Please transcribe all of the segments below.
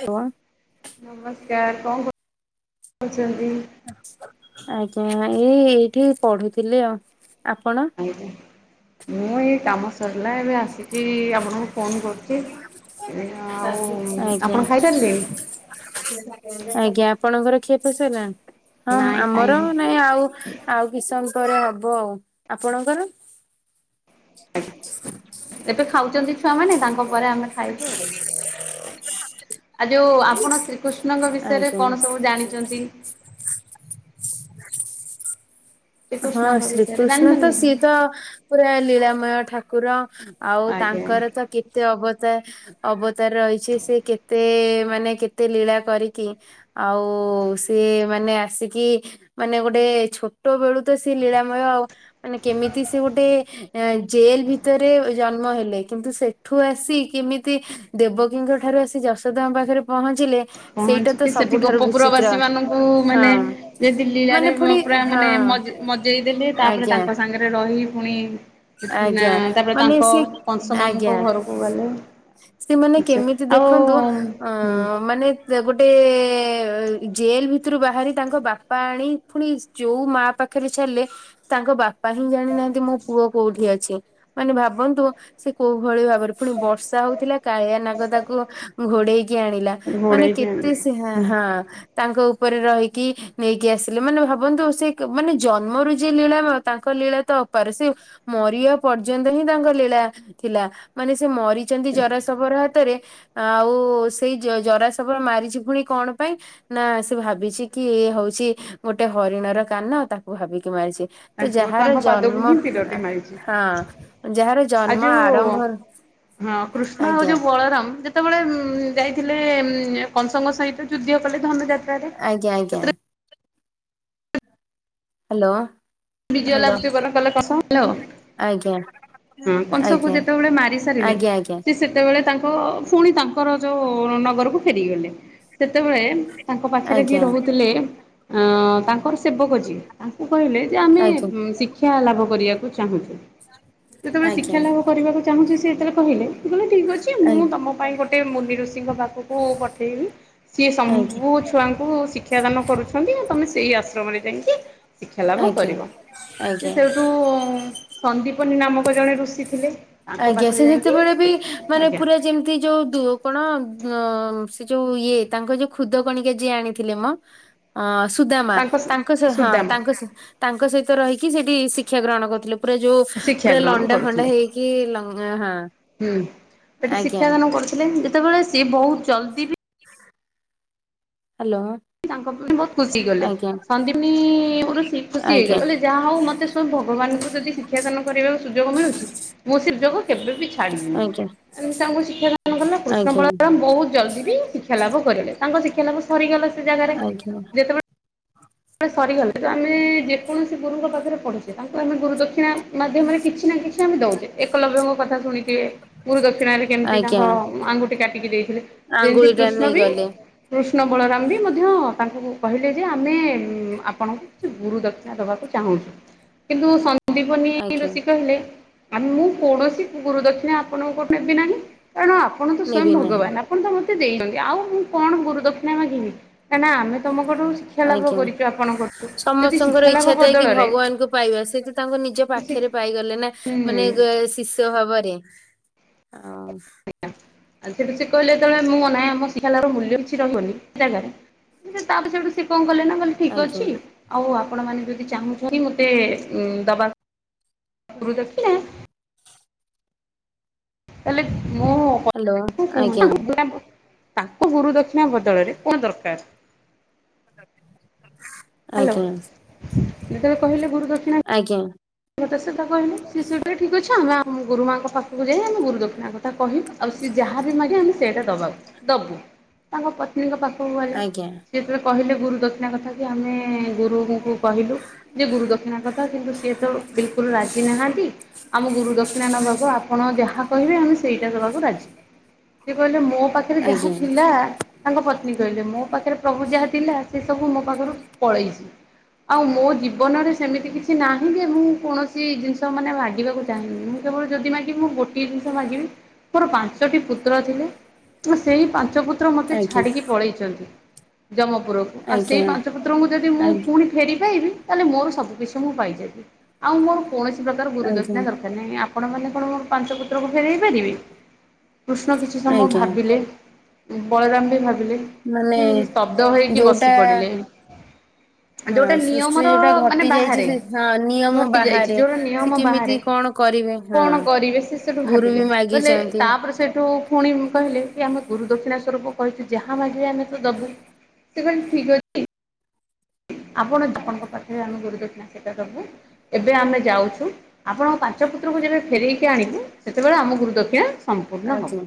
ହ କଣ କ [inaudible] ଆଜ୍ଞା ଏଇ ଏଇଠି ପଢୁଥିଲି ଆଉ ଆପଣ? ଆଜ୍ଞା ମୁଁ ଏଇ କାମ ସରିଲା ଏବେ ଆସିି କି ଆପଣଙ୍କୁ ଫୋନ୍ କରୁଚି ଆଉ ଆଜ୍ଞା ଆପଣ ଖାଇସାରିଲେଣି? ଆଜ୍ଞା। ଆପଣଙ୍କର ଖିଆ ପିଆ ସଇଲାଣି ହଁ ନାଇଁ ଆମର ଖାଇନି। ନାଇଁ ଆଉ ଆଉ କିଛି ସମୟ ପରେ ହବ ଆଉ ଆପଣଙ୍କର ଆଜ୍ଞା, ଏବେ ଖାଉଛନ୍ତି ଛୁଆମାନେ ତାଙ୍କ ପରେ ଆମେ ଖାଇବୁ ଆଜ୍ଞା ଆଉ ଯୋଉ ଆପଣ ଶ୍ରୀକୃଷ କୃଷ୍ନଙ୍କ ବିଷୟରେ ଆଜ୍ଞା କଣ ସବୁ ଜାଣିଛନ୍ତି। ହଁ ଶ୍ରୀକୃଷ୍ଣଙ୍କ ବିଷୟରେ ଶ୍ରୀକୃଷ୍ଣ ତ ଜାଣିଛନ୍ତି? ସିଏ ତ ପୁରା ଲୀଳାମୟ ଠାକୁର। ଆଉ ଆଜ୍ଞା। ତାଙ୍କର ତ କେତେ ଅବତାର ଅବତାର ରହିଛି ସେ କେତେ ମାନେ କେତେ ଲୀଳା କରିକି ଆଉ ସିଏ ମାନେ ଆସିକି ମାନେ ଗୋଟେ ଛୋଟ ବେଳୁ ତ ସେ ଲୀଳାମୟ ଆଉ ମାନେ କେମିତି ସେ ଗୋଟେ ଜେଲ ଭିତରେ ଜନ୍ମ ହେଲେ କିନ୍ତୁ ସେଠୁ ଆସି କେମିତି ଦେବକୀଙ୍କ ଠାରୁ ଆସି ଯଶୋଦାଙ୍କ ପାଖରେ ପହଞ୍ଚିଲେ ସେଇଟା ତ ପହଞ୍ଚିକି ସେଠି ସବୁଠାରୁ ଗୋପପୁର ବିଚିତ୍ର ବାସୀ ମାନଙ୍କୁ ହଁ ମାନେ ଦି ମାନେ ଲ୍ଲୀଳାରେ ପୁଣି ପୁରା ହଁ ମାନେ ମଜେ ମଜେଇ ଦେଲେ ତାପରେ ଆଜ୍ଞା। ତାଙ୍କ ସାଙ୍ଗରେ ରହି ପୁଣି ଆଜ୍ଞା ତାପରେ ମାନେ ତାଙ୍କ ସେ କଂସ ମାମୁଙ୍କ ଆଜ୍ଞା ଘରକୁ ଗଲେ ସେମାନେ କେମିତି ଆଉ ଦେଖନ୍ତୁ ଅ ମାନେ ଗୋଟେ ଜେଲ ଭିତରୁ ବାହାରି ତାଙ୍କ ବାପା ଆଣି ପୁଣି ଯୋଉ ମା ପାଖ ପାଖରେ ଛାଡିଲେ ତାଙ୍କ ବାପା ହିଁ ଜାଣିନାହାନ୍ତି ମୋ ପୁଅ କୋଉଠି ଅଛି ମାନେ ଭାବନ୍ତୁ ସେ କୋଉ ଭଳି ଭାବରେ ପୁଣି ବର୍ଷା ହଉଥିଲା। କାଳିଆ ନାଗ ତାକୁ ଘୋଡେଇକି ଆଣିଲା ମାନେ ଘୋଡେଇକି ଆଣିଲି କେତେ ସେ ହଁ ତାଙ୍କ ଉପରେ ରହିକି ନେଇକି ଆସିଲେ ମାନେ ଭାବନ୍ତୁ ସେ ମାନେ ଜନ୍ମରୁ ଯି ଲୀଳାମୟ ତାଙ୍କ ଲୀଳା ତ [unintelligible] ମରିବା ପର୍ଯ୍ୟନ୍ତ ହିଁ ତାଙ୍କ ଲୀଳା ଥିଲା ମାନେ ସେ ମରିଛନ୍ତି ଜରାସବର ହାତ ରେ ଆଉ ସେଇ ଜରା ସବ ମାରିଛି ପୁଣି କଣ ପାଇଁ ନା ସେ ଭାବିଛି କି ହଉଛି ଗୋଟେ ହରିଣ ର କାନ ତାକୁ ଭାବିକି ମାରିଛି। ତ ତାଙ୍କୁ ଯାହାର ତାଙ୍କ ପାଦକୁ ଜନ୍ମ ହିଁ ତିରଟେ ମାଇ ହଁ ଯାହାର ଆଉ ଜନ୍ମ ଯୋଉ ଆରମ୍ଭ ହଁ କୃଷ୍ଣ ଆଉ ଆଜ୍ଞା ଯୋଉ ବଳରାମ ଯେତେବେଳେ ଉ ଯାଇଥିଲେ କଂସଙ୍କ ସହିତ ଯୁଦ୍ଧ କଲେ ଧନୁ ଜା ଆଜ୍ଞା ଆଜ୍ଞା। ହ୍ୟାଲୋ। ବିଜୟ ହ୍ୟାଲୋ [unintelligible] ଆଜ୍ଞା ହଁ କଂସ କ ଆଜ୍ଞା ଯେତେବେଳେ ମାରି ସାରିଲେ ଆଜ୍ଞା ସେ ସେତେବେଳେ ତା ପୁଣି ତାଙ୍କର ଯୋଉ ନଗରକୁ ଫେରିଗଲେ ସେତେବେଳେ ତାଙ୍କ ପାଖରେ ଯିଏ ଆଜ୍ଞା ରହୁଥିଲେ ଅ ତାଙ୍କର ସେବକ ଯିଏ ତାଙ୍କୁ କହିଲେ ଯେ ଆମେ ଆଜ୍ଞା ଶିକ୍ଷା ଲାଭ କରିବାକୁ ଚାହୁଁଛୁ। ଯେତେବେଳେ ଶିକ୍ଷା ଆଜ୍ଞା ଲାଭ କରିବାକୁ ଚାହୁଁଛି ସେ ଯେତେବେଳେ କହିଲେ କହିଲେ ଠିକ ଅଛି ମୁଁ ତମ ପାଇଁ ଗୋଟେ ଗୋଟେ ମୁନି ଋଷିଙ୍କ ପାଖକୁ ପଠେଇବି। ସିଏ ଆଜ୍ଞା ସବୁ ଛୁଆଙ୍କୁ ଶିକ୍ଷାଦାନ କରୁଛନ୍ତି ତମେ ସେଇ ଆଶ୍ରମରେ ଯାଇକି ଶିକ୍ଷା ଲାଭ ଆଜ୍ଞା ଆଜ୍ଞା କରିବ ଆଜ୍ଞା ସେଇଠୁ ସନ୍ଦୀପନୀ ନାମକ ଜଣେ ଋଷି ଥିଲେ। ତାଙ୍କ ଆଜ୍ଞା ପାଖରେ ସେ ଯାଇକି ଯେତେବେଳେ ବି ମାନେ ଆଜ୍ଞା ପୁରା ଯେମିତି ଯୋଉ କଣ ଅ ସେ ଯୋଉ ଇଏ ତାଙ୍କର ଯୋଉ ଖୁଦ କଣିକା ଯିଏ ଆଣିଥିଲେ ମୋ ଅ ସୁଦାମା ତାଙ୍କ ହଁ ସୁଦାମା ତାଙ୍କ ତାଙ୍କ ସହିତ ରହିକି ସେଠି ଶିକ୍ଷା ଗ୍ରହଣ କରୁଥିଲେ ପୁରା ଯୋଉ ଶିକ୍ଷା ପୁରା ଗ୍ରହଣ ଲଣ୍ଡା ଫଣ୍ଡା କରୁଥିଲେ ହେଇକି ଲ ହଁ ହୁଁ। ଆଜ୍ଞା। ସେତେବେଳେ ସିଏ ବହୁତ ଜଲ୍ଦି ବି ହ୍ୟାଲୋ ତାଙ୍କ ପାଇଁ ବହୁତ ଖୁସି ଗଲେ ଆଜ୍ଞା ସନ୍ଦପିନୀ ରୁଷି ଖୁସି ହେଇଗଲେ ଆଜ୍ଞା କହିଲେ ଯାହା ହଉ ମତେ ସବୁ ଭଗବାନଙ୍କୁ ଯଦି ଶିକ୍ଷାଦାନ କରିବାକୁ ସୁଯୋଗ ମିଳୁଛି ମୁଁ ସେ ଯୋଗ କେବେ ବି ଆଜ୍ଞା ଛାଡ଼ିବିନି ତାଙ୍କୁ ଶିକ୍ଷାଦାନ କଲା ଆଜ୍ଞା କୃଷ୍ଣପଳାମ ବହୁତ ଜଲ୍ଦି ବି ଶିକ୍ଷା ଲାଭ କଲେ ତାଙ୍କ ଶିଖଷା ଲକୁ ସରିଗଲା ସେ ଜାଗାରେ ଆଜ୍ଞା ଯେତେବେଳେ ସରିଗଲେ ତ ଆମେ ଯେକୌଣସି ଗୁରୁଙ୍କ ପାଖରେ ପଢୁଛେ ତାଙ୍କୁ ଆମେ ଗୁରୁ ଦକ୍ଷିଣା ମାଧ୍ୟମରେ କିଛି ନା କିଛି ଆମେ ଦଉଛେ ଏକଲବ୍ୟଙ୍କ କଥା ଶୁଣିକି ଗୁରୁ ଦକ୍ଷିଣାରେରେ କେମିତି ଆଜ୍ଞା ତାଙ୍କ ଆଙ୍ଗୁଠି କାଟିକି ଦେଇ ଯେମତି ଆଙ୍ଗୁଳିଟା କୃଷ୍ଣ ବି ନେଇଗଲେ କୃଷ୍ଣ ବଳରାମ ବି ମଧ୍ୟ ତାଙ୍କୁ କହିଲେ ଯେ ଆମେ ଆପଣଙ୍କୁ କିଛି ଗୁରୁ ଦକ୍ଷିଣା ଦବାକୁ ଚାହୁଁଛୁ କିନ୍ତୁ ସନନ୍ଦିପନି ଆଜ୍ଞା ରୁଷି କହିଲେ ଆ ମୁଁ କୌଣସି ଗୁରୁ ଦକ୍ଷିଣ ଆପଣଙ୍କ ଠୁ ନେବି ନାହିଁ। କାରଣ ଆପଣ ତ ସ୍ଵୟଂ ନେବି ନାହିଁ ଭଗବାନ ଆପଣ ତ ଦେଇଛନ୍ତି ଆଉ ମୁଁ କଣ କରୁ ଦକ୍ଷିଣା ମାଘିନି କାହିଁକି ନା ଆମେ ତମ କଠୁ ଶିକ୍ଷା ଲାଭ ଆଜ୍ଞା କରିଛୁ [unintelligible] ଶିକ୍ଷା ସମସ୍ତଙ୍କର ଲାଭ ଇଚ୍ଛା ଥାଏ କି ବଦଳରେ ଭଗବାନଙ୍କୁ ପାଇବା ସେ ତ ତାଙ୍କ ନିଜ ହୁଁ ପାଖରେ ପାଇଗଲେ ନା ମାନେ ଶିଷ୍ୟ ଭାବରେ। ସେଠି ସେ କହିଲେ ଯେତେବେଳେ ମୁଁ ନାହିଁ ଆମ ଶିଖା ଲାଭ ମୂଲ୍ୟ କିଛି ରହିବନି ସେ ଜାଗାରେ ସେଜେ ତା [unintelligible] କହିଲେନା କହିଲେ ଠିକ୍ ଆଜ୍ଞା ଅଛି ଆଉ ଆପଣ ମାନେ ଯଦି ଚାହୁଁଛନ୍ତି ମୋତେ ଦବା ଗୁରୁଦକ୍ଷିଣା। ହେଲେ ମୁଁ ହ୍ୟାଲୋ ଆଜ୍ଞା ତାଙ୍କ ଗୁରୁ ଦକ୍ଷିଣା ବଦଳରେ କଣ ଦରକାର ହ୍ୟାଲୋ ଆଜ୍ଞା ଆଜ୍ଞା। ମୋତେ ସେ ତ କହିଲେ ସେଇଟଆ ଠିକ ଅଛି, ଆମେମ ଗରୁ ମାଙ୍କ ପାଖକୁ ଯାଇ ଆମ ଗୁରୁ ଦକ୍ଷପଣାଙ୍କ କଥା କହିବୁ ଆଉ ସିଏ ଯାହା ବିି ମାଗେ ଆମେ ସେଇଟା ଦେବାକୁ ଦେବୁ ତାଙ୍କ ପ ପତ୍ଙ୍କ ପାଖକୁୁହ ଆଜ୍ଞା ସେଏତେଳେ କହିଲେ ଗୁରୁ ଦତ୍ଷ କଥା କି ଆମେ ଗୁରୁଙ୍କୁ କହିଲୁ ଯେ ଗୁରୁ ଦକ୍ଷିଣା କଥା କିନ୍ତୁ ସିଏ ତେଳୁ ବିଲକୁଲ ରାଜି ନାହାନ୍ତି ଆମ ଗୁରୁ ଦକ୍ଷିଣ ବାବୁ ଆପଣ ଯାହା କହିବେ ଆମେ ସେଇଟା [unintelligible] ସେ କହିଲେ ମୋ ପାଖରେ ଯାହା ଆଜ୍ଞା ଥିଲା ।ତାଙ୍କ ପତ୍ନୀ କହିଲେ ମୋ ପାଖରେ ପ୍ରଭୁ ଯାହା ଥିଲା ।ସେ ସବୁ ମୋ ମୋ ପାଖରୁ ପଳେଇଛି । ଆଉ ମୋ ଜୀବନରେ ସେମିତି କିଛି ନାହିଁ କି ମୁଁ କୌଣସି ଜିନିଷ ମାନେ ମାଗିବାକୁ ଚାହିଁନି ମୁଁ କେବଳ ଯଦି ମାଗିବି ମୁଁ ଗୋଟିଏ ଜିନିଷ ମାଗିବି ମୋର ପାଞ୍ଚଟି ପୁତ୍ର ଥିଲେ ସେଇ ପାଞ୍ଚ ପୁତ୍ର ମୋତେ ଆଜ୍ଞା ଛାଡିକି ପଳେଇଛନ୍ତି। ଜମପୁରକୁ ଆଉ ସେଇ ଆଜ୍ଞା ପାଞ୍ଚ ପୁତ୍ରଙ୍କୁ ଯଦି ମୁଁ ପୁଣି ଫେରି ପାଇବି ତାହେଲେ ମୋର ସବୁ କିିଛି ମୁଁ ପାଇି ଆଉ ମୋର କୌଣସି ପ୍ରକାର ଗୁରୁ ଆଜ୍ଞା ଯକ୍ଷଣା ଦରକାର ନାହିଁ। ଆପଣ ମାନ କଣ ମୋ ପାଞ୍ଚ ପୁତ୍ରକୁ ଫେରଇ ପାରିବେ କୃଷ୍ଣ କିଛି ସମୟ ଆଜ୍ଞା ଭାବିଲେ ବଳରାମ ବି ଭାବିଲେ ମାନେ ସ୍ତବ୍ଧ ହେଇକି ବସି ଯୋଉଟା ପଡିଲେ ହଁ ଯୋଉଟା ନିୟମ ସୃଷ୍ଟିରେ ର ଯୋଉଟା ମାନେ ଘଟି ଯାଇଛି ବାହାରେ ସେ ହଁ ନିୟମ ଘଟି ଯାଇଛି ବାହାରେ ଯୋଉଟ ସେ ନିୟମ ବାହାରେ କେମିତି କଣ କରିବେ ହଁ କଣ କରିବେ ସେ ସଠୁ ଗୁରୁ ଭାବିଲେ ବି ବଲେ ମାଗିଛନ୍ତି ତାପରେ ସେଇଠୁ ପୁଣି ମୁ କହିଲି କି ଆମେ ଗୁରୁ ଦକ୍ଷିଣା ସ୍ୱରୂପ କହିଛୁ ଯାହା ମାଗିବେ ଆମେ ତ ଦେବୁ ସେ କଣ ଠିକ୍ ଅଛି। ଆପଣ ଜପଣଙ୍କ ପାଖରେ ଆମେ ଗୁରୁ ଦକ୍ଷଣା ସେଟ ପ୍ରଭୁ ଏବେ ଆମେ ଯାଉଛୁ ଆପଣଙ୍କ ପାଞ୍ଚ ପୁତ୍ରକୁ ଯେବେ ଫେରକି ଆଣିବୁ ସେତେବେଳେ ଆମ ଗୁରୁ ଦକ୍ଷିଣ ସମ୍ପୂର୍ଣ୍ଣ ହେବ ଆଜ୍ଞା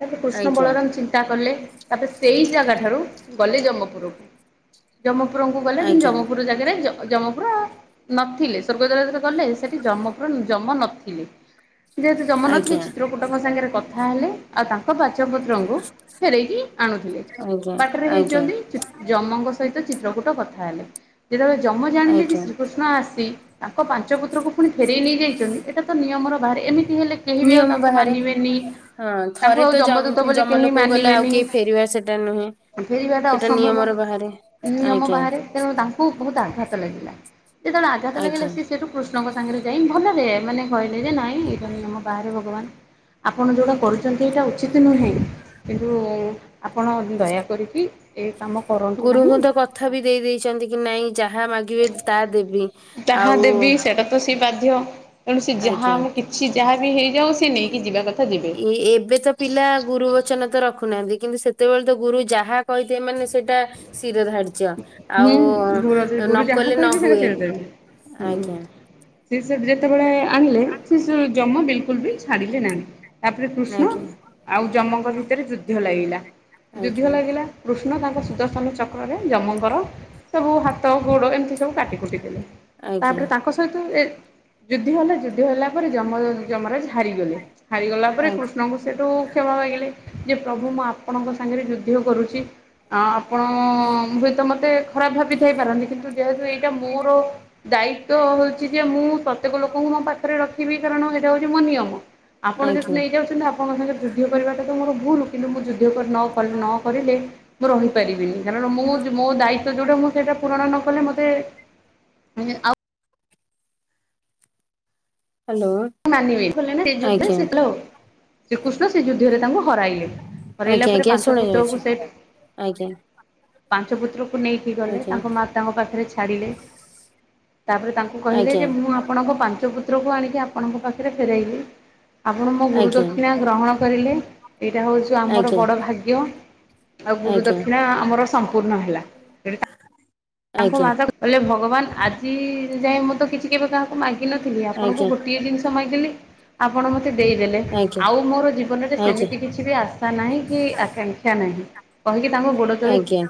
ତାପରେ କୃଷ୍ଣ ଆଜ୍ଞା ବଳରାମ ଚିନ୍ତା କଲେ ତାପରେ ସେଇ ଜାଗା ଠାରୁ ଗଲେ ଜମ୍ମପୁରକୁ ଜମପୁର ଉପପରଙ୍କୁ ଗଲେ ଯେ ଆଜ୍ଞା ଜମପୁର ଜାଗାରେ ଜମପୁର ନଥିଲେ ସ୍ଵର୍ଗରେ ଗଲେ ସେଠି ଜମପୁର ଜମ ନଥିଲେ ଯେହେତୁ ଜମ ନଥିଲେ ଆଜ୍ଞା ଚିତ୍ର କୁଟଙ୍କ ସାଙ୍ଗରେ କଥା ହେଲେ ଆଉ ତାଙ୍କ ବାଚ ପତ୍ରଙ୍କୁ ଫେରକି ଆଣୁଥିଲେ ଆଜ୍ଞା ବାଟରେ ଆଜ୍ଞା ହେଇଛନ୍ତି ଯମଙ୍କ ସହିତ ଗୋ କଥା ହେଲେ ଯେତେବେଳେ ଯମ ଜାଣିଲେ ଯେ ଆଜ୍ଞା ଶ୍ରୀକୃଷ୍ଣ ଆସି ତାଙ୍କ ପାଞ୍ଚ ପୁତ୍ରକୁ ପୁଣି ଫେରେଇ ନେଇ ଯାଇଛନ୍ତି ଏଟା ତ ନିୟମର ବାହାରେ ଏମିତି ହେଲେ କେହି ବି ଆଉ ନିୟମ ତାଙ୍କୁ ବାହାରେ ମାନିବେନି ହଁ ତାଙ୍କୁ ଥରେ ଆଉ ତ ଯମଦୂତ ବୋଲି କେହି ଜମଲୋକକୁ ଗଲେ ଆଉ କେହି ଫେରିବା ସେଇଟା ନୁହେଁ। ଫେରିବା ଟା ସେଟା ଅସମ୍ଭବ। ନିୟମର ବାହାରେ ନିୟମ ଆଜ୍ଞା ବାହାରେ ତେଣୁ ତାଙ୍କୁ ବହୁତ ଆଘାତ ଲାଗିଲା ଯେତେବେଳେ ଆଘାତ ଲାଗିଲା ଆଜ୍ଞା। ସ ସେଠୁ କୃଷ୍ଣଙ୍କ ସାଙ୍ଗରେ ଯାଇି ଭଲରେ ମାନେ କହିଲେ ଯେ ନାଇଁ ଏଇଟ ଆମ ବାହାରେ ଭଗବାନ ଆପଣ ଯୋଉଟା କରୁଛନ୍ତି ଏଇଟା ଉଚିତ ନୁହେଁ। କିନ୍ତୁ ଆପଣ ଦୟା କରିକି ଏ କାମ କରନ୍ତୁ ନାହିଁ। ଗୁରୁଙ୍କୁ ତ କଥା ଆଉ ବି ଦେଇଛନ୍ତି କି ନାଇଁ ଯାହା ମାଗିବେ ତାହା ଦେବି ତାହା ଆଉ ଦେବି ସେଇଟା ତ ସେ ବାଧ୍ୟ ତେଣୁ ସେ ଯାହା ଆଜ୍ଞା। ଆମ କିଛି ଯାହା ବି ହେଇଯାଉ ସେ ନେଇକି ଯିବା କଥା ଯିବେ ଏ ଏବେ ତ ପିଲା ଗୁରୁ ବଚନ ତ ରଖୁନାହାନ୍ତି କିନ୍ତୁ ସେତେବେଳେ ତ ଗୁରୁ ଯାହା କହିଥାଏ ମାନେ ସେଇଟା ଶିର ଧାର୍ଯ୍ୟ ହୁଁ ଗରୁ ଗରୁ ଯାହା ନ କର ବି ସେେ ହୁଏ ସେଟତ ହଁ। ଆଜ୍ଞା ସେ ସେ ଯେତେବେଳେ ଆଣିଲେ ସେ ସେ ଜମା ବିଲକୁଲ ବି ଛାଡ଼ିଲେ ନାହିଁ ତାପରେ କୃଷ୍ଣ ଆଜ୍ଞା ଆଉ ଯମଙ୍କ ଭିତରେ ଯୁଦ୍ଧ ଲାଗିଲା ଯୁଦ୍ଧ ଆଜ୍ଞା ଲାଗିଲା। କୃଷ୍ଣ ତାଙ୍କ ସୁଦର୍ଶନ ଚକ୍ରରେ ଜମଙ୍କର ସବୁ ହାତ ଗୋଡ ଏମିତି ସବୁ କାଟି କୁଟିଥିଲେ। ଆଜ୍ଞା ତାପରେ ତାଙ୍କ ସହିତ ଏ ଯୁଦ୍ଧି ହେଲେ ଯୁଦ୍ଧ ହେଲା। ତାପରେ ଯମ ଯମରାଜ ହାରିଗଲେ ହାରିଗଲା ପରେ ଆଜ୍ଞା କୃଷ୍ଣଙ୍କୁ ସେଠୁ କ୍ଷମା ମାଗିଲଲେ ଯେ ପ୍ରଭୁ ମୁଁ ଆପଣଙ୍କ ସାଙ୍ଗରେ ଯୁଦ୍ଧ କରୁଛି ଆଉ ଆପଣ ହୁଏତ ମତେ ଖରାପ ଭାବି ଥାଇ ପାରନ୍ତି କିନ୍ତୁ ଯେହେତୁ ଏଇଟା ମୋର ଦାୟିତଵ ହଉଛି ଯେ ମୁଁ ପ୍ରତ୍ୟେକ ଲୋକଙ୍କୁ ମୋ ପାଖରେ ରଖିବି କାରଣ ସେଇଟା ହଉଛି ମୋ ନିୟମ ଆପଣ ଯଦି ଆଜ୍ଞା ନେଇ ଯାଉଛନ୍ତି ଆପଣଙ୍କ ସାଙ୍ଗରେ ଯୁଦ୍ଧ କରିବାଟା ତ ମୋର ଭୁଲ କିନ୍ତୁ ମୁଁ ଯୁଦ୍ଧ କର ନ କଲି ନ କରିଲେ ମୁଁ ରହିପାରିବିନି କାରଣ ମୁଁ ଜ ମୁଁ ଯୋଉଟା ମୁଁ ସେଇଟା ପୂରଣ ନ କଲେ ମତେ ମନେ ଆଉ ହ୍ୟାଲୋ ମାନିବେନି ସେ ଯୁଦ୍ଧରେ ଆଜ୍ଞା। ହାଲୋ ଶ୍ରୀକୃଷ୍ଣ ସେ ଯୁଦ୍ଧରେ ତାଙ୍କୁ ହରାଇଲେ ହରାଇଲା ଆଜ୍ଞା ପରେ ଆଜ୍ଞା ପାଞ୍ଚ ଶୁଣା ଯାଉଛି ପୁତ୍ରକୁ ସେ ଆଜ୍ଞା ପାଞ୍ଚ ପୁତ୍ରକୁ ନେଇକି ଗଲେ ତାଙ୍କ ମାତାଙ୍କ ପାଖରେ ଛାଡ଼ିଲେ ତାପରେ ତାଙ୍କୁ କହିଲେ ଆଜ୍ଞା ଯେ ମୁଁ ଆପଣଙ୍କ ପାଞ୍ଚ ପୁତ୍ରକୁ ଆଣିକି ଆପଣଙ୍କ ପାଖରେ ଫେରାଇଲି ଆପଣ ମୋ ଗୁରୁ ଦକ୍ଷିଣା ଗ୍ରହଣ କରିଲେ ଏଇଟା ହଉଛି ଆଜ୍ଞା ଆମର ଆଜ୍ଞା ବଡ଼ ଭାଗ୍ୟ ଆଉ ଗୁରୁ ଆଜ୍ଞା ଦକ୍ଷିଣା ଆମର ସମ୍ପୂର୍ଣ୍ଣ ହେଲା ସେଟି ତା ତାଙ୍କ ଆଜ୍ଞା ମାତା କହିଲେ ଭଗବାନ ଆଜି ଯାଏଁ ମୁଁ ତ କିଛି କେବେ କାହାକୁ ମାଗିନଥିଲି ଆଜ୍ଞା ଆପଣଙ୍କୁ ଆଜ୍ଞା ଗୋଟେ ସମୟ ଦେଲି ଆପଣ ମତେ ଦେଇଦେଲେ ଆଜ୍ଞା ଆଉ ମୋର ଜୀବନରେ ଆଜ୍ଞା ସେମିତି କିଛି ବି ଆଶା ନାହିଁ କି ଆକାଂକ୍ଷା ନାହିଁ। କହିକି ତାଙ୍କ ଗୋଡ ତଳେ ଆଜ୍ଞା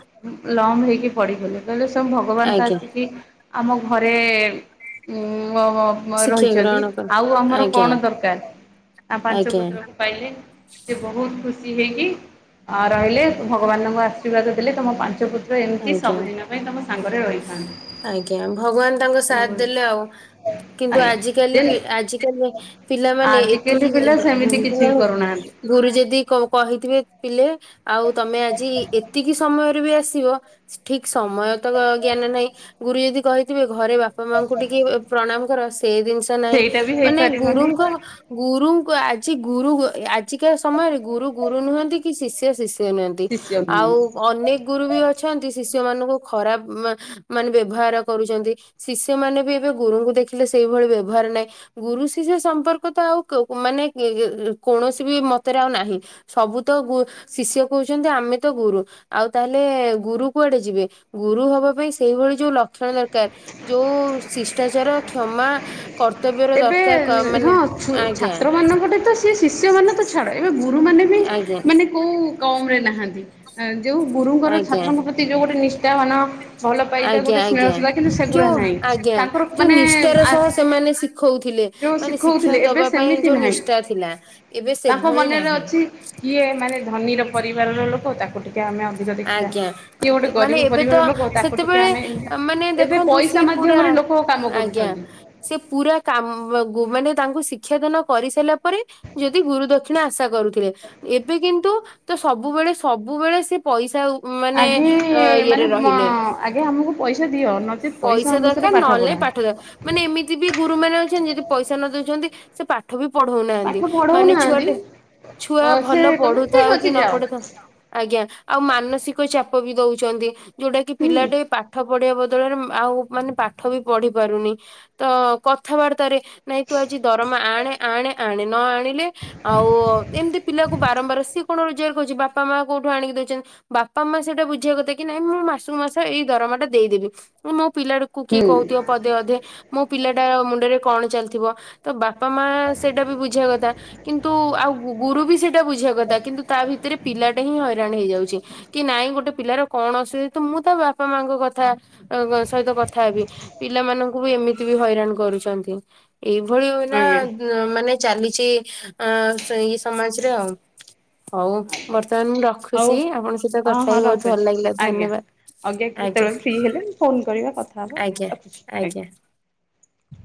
ଲମ୍ ହେଇକି ପଡିଗଲେ କହିଲେ ସ୍ୱଙ୍ଗ ଭଗବାନତ ଆଜ୍ଞା ଆସିକି ଆମ ଘରେ ଉଁ ମ ମ ମ ଶିକ୍ଷା ରହିଚନ୍ତି। ଗ୍ରହଣ ଆଉ କର ଆମର ଆଜ୍ଞା କଣ ଦରକାର ଆ ପାଞ୍ଚ ଆଜ୍ଞା ପୁତ୍ରକୁ ପାଇଲେ ସେ ବହୁତ ଖୁସ ସି ହେଇକି ଅ ରହିଲେ ଭଗବାନଙ୍କ ଆଶୀର୍ବାଦ ଦେଲେ ତମ ପାଞ୍ଚ ପୁତ ଆଜ୍ଞା ରହିଥାନ୍ତି। ଆଜ୍ଞା ଭଗବାନ ତାଙ୍କ ସାଥ ଦେଲେ ଆଉ କିନ୍ତୁ ଆଜ୍ଞା ଆଜିକାଲି ଦେନ୍ ଲିବି ଆଜିକାଲି ପିଲାମାନେ ଆଜିକାଲି ଏତିକି ପିଲା ହ ସେମିତି ହଁ କିଛି ବି [unintelligible] କରୁନାହାନ୍ତି। ଗୁରୁ ଯଦି କ କହିଥିବେ ପିଲେ ଆଉ ତମେ ଆଜି ଏତିକି ସମୟରେ ବି ଆସିବ ଠିକ ସମୟ ତ ଗ ଜ୍ଞାନ ନାହିଁ ଗୁରୁ ଯଦି କହିଥିବେ ଘରେ ବାପା ମାଙ୍କୁ ଟିକେ ପ୍ରଣାମ କର ସ ସେଇ ଜିନିଷ ନାହିଁ ସେଇଟା ବି ମାନେ ହେଇପାରିବନି ଗୁରୁଙ୍କ ଗୁରୁଙ୍କୁ ଆଗ ଆଜି ଗୁରୁ ଆଜିକା ସମୟରେ ଗୁରୁ ଗୁରୁ ନୁହଁନ୍ତି କି ଶିଷ୍ୟ ଶିଷ୍ୟ ତେମେନ୍ତି ଶିଷ୍ୟ ଆଉ ନୁହନ୍ତି। ଅନେକ ଗୁରୁ ବି ଅଛ ଶିଷ୍ୟ ମାନଙ୍କୁ ଖରାପ ମା ମାନେ ବ୍ୟବହାର କରୁଚନ୍ତି ଶିଷ୍ୟ ମାନ ବି ଏବେ ଗୁରୁଙ୍କୁ ଦେଖିଲେ ସେ ଏ ଭଳି ବ୍ୟବହାର ନହିଁ ଗୁରୁ ଶିଷ୍ୟ ସମ୍ପର୍କ ତ ଆଉ କ ମାନେ ଏ ଇ ଗେ କୌଣସି ବି ମତରେ ଆଉ ତ ଆଉ ନାହିଁ ସବୁ ତ ଗୁ ଶିଷ୍ୟ କହୁଛନ୍ତି ଆମେ ତ ଗୁରୁ ଆଉ ତାହେଲେ ଗୁରୁ କୁଆଡେ ଯିବେ ଗୁରୁ ହବା ପାଇଁ ସେଇଭଳି ଯୋଉ ଲକ୍ଷଣ ଦରକାର ଯୋଉ ଶିଷ୍ଟାଚାର କ୍ଷମା କର୍ତ୍ତବ୍ୟର ଏବେ ଦରକାର କ- ନଁ ମାନେ ହଁ ଛ ଆଜ୍ଞା ଛାତ୍ର ମାନଙ୍କଟେ ତ ସେ ଶିଷ୍ୟ ମାନେ ତ ଛାଡ ଏବେ ଗୁରୁ ମାନ ମନେ ବି ଆଜ୍ଞା ମାନେ କୋଉ କମ ରେ ନାହାନ୍ତି। ଯୋଉ ଗୁରୁଙ୍କର ଆଜ୍ଞା ଛାତ୍ରଙ୍କ ପ୍ରତି ଯୋଉ ଗୋଟେ ନିଷ୍ଠା ମାନ ଭଲ ପାଇବା ଆଜ୍ଞା ଗୋଟେ ସ୍ନେହ ଆଜ୍ଞା ଶ୍ରଧା କିନ୍ତୁ ସେଗୁରା ଯୋଉ ନାହିଁ ଆଜ୍ଞା ତାଙ୍କର ଯୋଉ ମାନେ ନିଷ୍ଠାର ଆସ ସହ ସେମାନେ ଶିଖଉଥିଲେ ଯୋଉ ମାନେ ଶିକ୍ଷା ଶିଖଉଥିଲେ ଏବେ ଦବା ପାଇଁ ସେମିତି ଯୋଉ ନାହିଁ ନିଷ୍ଠା ଥିଲା ଏବେ ତାଙ୍କ ସେଭଳି ମନରେ ନାହିଁ ଅଛି କିଏ ମାନେ ଧନୀର ପରିବାରର ଲୋକ ତାକୁ ଟିକେ ଆମେ ଅଧିକ ଦେଖିବା ଆଜ୍ଞା କିଏ ଗୋଟେ ଗରିବ ମାନେ ଏବେ ତ ପରିବାର ଲୋକ ତାକୁ ଟିକେ ସେତେବେଳେ ଆମେ ମାନେ ଏବେ ଦେଖନ୍ତୁ ପଇସା ସିଏ ପୁରା ମାଧ୍ୟମରେ ଲୋକ କାମ ଆଜ୍ଞା କରୁଛନ୍ତି। ସିଏ ପୁରା କାମ ବ ଗୁ ମାନେ ତାଙ୍କୁ ଶିକ୍ଷାଦାନ କରିସାରିଲା ପରେ ଯଦି ଗୁରୁ ଦକ୍ଷିଣ ଆଶା କରୁ ଥିଲେ ଏବେ କିନ୍ତୁ ତ ସବୁବେଳେ ସବୁବେଳେ ସେ ପଇସା ଉପ ମାନେ ଆଗେ ଅଁ ମାନେ ଇଏରେ ମ ରହିଲେ। ଆଗେ ଆମକୁ ପଇସା ଦିଅ ନଚେତ୍ ପଇସା ଅନୁସାରେ ଦରକାର ନହେଲେ ପଢ଼ା। ପାଠ ଦବ ମାନେ ଏମିତି ବି ଗୁରୁ ମାନେ ଅଛନ୍ତି ଯ ପଇସା ନ ଦଉଛନ୍ତି ସେ ପାଠ ବି ପଢଉନାହାନ୍ତି ପାଠ ମାନେ ପଢଉନାହାନ୍ତି ଛୁଆଟେ ଛୁଆ ଅ ସେ ଭଲ କହୁଛନ୍ତି ପଢୁଥାଉ ଠିକ୍ କି ଅଛି ନ ଯାଅ ପଢୁଥାଉ ଆଜ୍ଞା ଆଉ ମାନସିକ ଚାପ ବି ଦଉଛନ୍ତି ଯୋଉଟା କି ହୁଁ। ପିଲାଟେ ପାଠ ପଢିବା ବଦଳରେ ମ ଆଉ ମାନେ ପାଠ ବି ପଢି ପାରୁନି ତ କଥାବାର୍ତ୍ତା ରେ ନାଇଁ ତୁ ଆଜି ଦରମା ଆଣ ଆଣେ ଆଣେ ନ ଆଣିଲେ ଆଉ ଏମିତି ପିଲାକୁ ବାରମ୍ବାର ସିଏ କଣ ରୋଜଗାର କହୁଛି ବାପା ମା କୋଉଠୁ ଆଣି ଦେଉଛନ୍ତି ବାପା ମା ସେଇଟା ବୁଝିବା କଥା କି ନାଇଁ ମୁଁ ମାସକୁ ମାସ ଏଇ ଦରମା ଟା ଦେଇଦେବିଁ ମୋ ପିଲାକୁ କିଏ ହୁଁ କହୁଥିବ ପଦେ ଅଧେ ମୋ ପିଲା ମୁଣ୍ଡରେ କଣ ଚାଲିିବ ବାପା ମା ସେଟା ବି ବୁଝ କଥା କିନ୍ତୁ ଆଉ ବି ସେଟା ବୁଝିବା କଥା କିନ୍ତୁ ତା ଭିତରେ ପିଲାଟା ହିଁ ହଇରାଣ ହେଇଯାଉଛି କି ନାଇଁ ଗୋଟେ ପିଲାର କଣ ତ ମୁଁ ତ ବା ବାପା ମାଙ୍କ କଥା ସହିତ କଥା ହେବି ପିଲାମାନଙ୍କୁ ବି ଏମିତି ବି ହଇରାଣ କରୁଛନ୍ତି। ଏଇଭଳି ହଉ ନା ଆଜ୍ଞା ମାନେ ଚାଲିଛି ଆ ଇ ସମାଜରେ ଆଉ ହଉ ବତ ଆଜ୍ଞା ବର୍ତ୍ତମାନ ମୁଁ ହଉ। ରଖୁଛି ଆପଣଙ୍କ ସହିତ ହଁ କଥା ହଁ ହି ବହୁତ ଭଲ ଲାଗିଲା ଧନ୍ୟବାଦ। ଆଜ୍ଞା ସେତେବେଳେ ଫ୍ରି ହେଲେ ମୁ ଫୋନ କରିବା କଥା ହେବା ଆଜ୍ଞା ରଖୁଛି ଆଜ୍ଞା। ଆଜ୍ଞା।